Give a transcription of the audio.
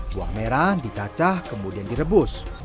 buah merah dicacah kemudian direbus